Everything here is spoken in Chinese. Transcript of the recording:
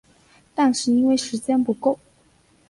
但是因为时间不够